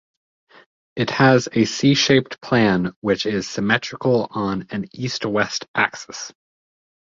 It has a C-shaped plan which is symmetrical on an east-west axis.